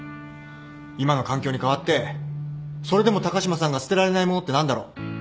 今の環境に変わってそれでも高島さんが捨てられないものって何だろう。